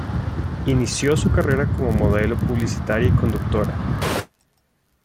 Inició su carrera como modelo publicitaria y conductora.